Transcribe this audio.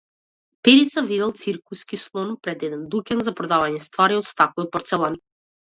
Перица видел циркуски слон пред еден дуќан за продавање ствари од стакло и порцелан.